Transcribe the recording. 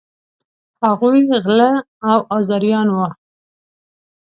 هغوی غله او آزاریان وه.